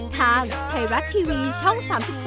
ทางไทยรัฐทีวีช่อง๓๒